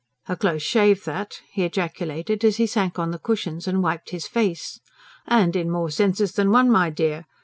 "A close shave that!" he ejaculated as he sank on the cushions and wiped his face. "And in more senses than one, my dear.